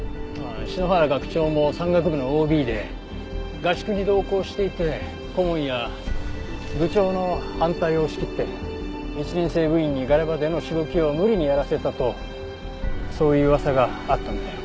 篠原学長も山岳部のＯＢで合宿に同行していて顧問や部長の反対を押し切って１年生部員にガレ場でのしごきを無理にやらせたとそういう噂があったんだよ。